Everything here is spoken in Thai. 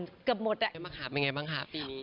เกือบหมดอ่ะเป็นยังไงบ้างคะ